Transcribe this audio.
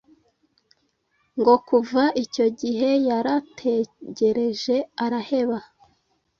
ngo kuva icyo gihe yarategereje araheba